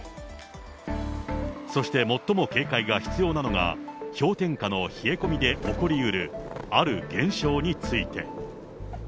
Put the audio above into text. そして最も警戒が必要なのが、氷点下の冷え込みで起こりうる、ある現象について。